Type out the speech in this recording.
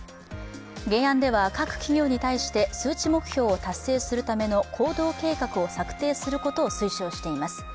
原案では各企業に対して数値目標を達成するための行動計画を策定することを推奨しています。